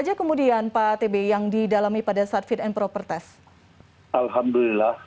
jenderal andika perkasa